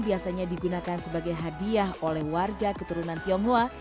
biasanya digunakan sebagai hadiah oleh warga keturunan tionghoa